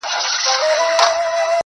پر نرۍ لښته زنګېده، اخیر پرېشانه سوله٫